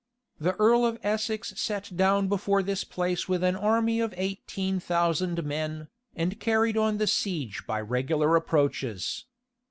The earl of Essex sat down before this place with an army of eighteen thousand men, and carried on the siege by regular approaches.